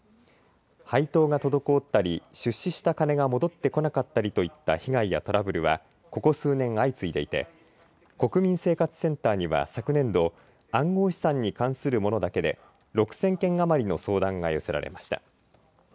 配当が滞ったり出資した金が戻ってこなかったりといった被害やトラブルはここ数年、相次いでいて国民生活センターには昨年度暗号資産に関するものだけで６０００件余りの相談が寄せられました。